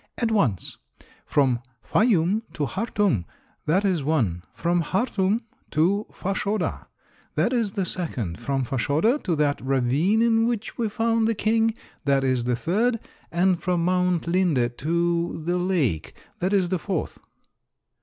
"At once. From Fayûm to Khartûm that is one; from Khartûm to Fashoda that is the second; from Fashoda to that ravine in which we found the King that is the third; and from Mount Linde to the lake that is the fourth."